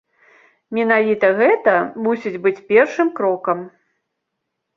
Менавіта гэта мусіць быць першым крокам.